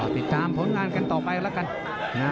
ติดตามผลงานกันต่อไปแล้วกัน